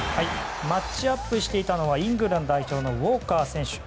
マッチアップしていたのはイングランド代表のウォーカー選手。